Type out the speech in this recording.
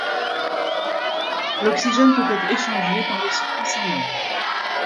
L'oxygène peut être échangé par le circuit sanguin.